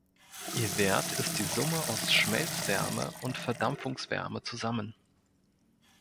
Ihr Wert ist die Summe aus Schmelzwärme und Verdampfungswärme zusammen.